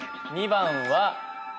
２番は。